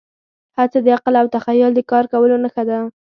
هڅه د عقل او تخیل د کار کولو نښه ده.